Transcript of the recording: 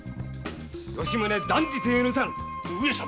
吉宗断じて許さぬ上様